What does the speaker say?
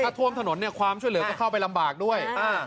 ถ้าท่วมถนนเนี่ยความช่วยเหลือก็เข้าไปลำบากด้วย